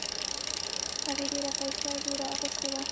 هغې ډیره ښایسته جوړه اغوستې وه